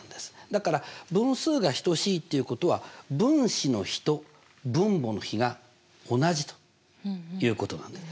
だから分数が等しいっていうことは分子の比と分母の比が同じということなんです。